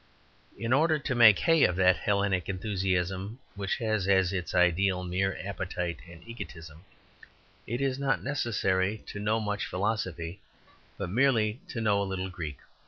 In order to make hay of that Hellenic enthusiasm which has as its ideal mere appetite and egotism, it is not necessary to know much philosophy, but merely to know a little Greek.